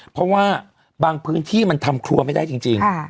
เพราะว่าบางพื้นที่มันทำครัวไม่ได้จริง